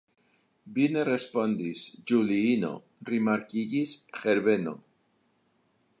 Vi ne respondis, Juliino, rimarkigis Herbeno.